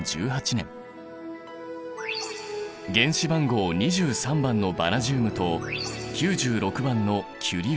原子番号２３番のバナジウムと９６番のキュリウム。